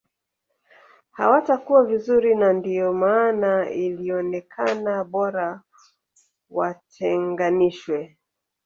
Hawatakua vizuri na ndio maana ilionekana bora watenganishwe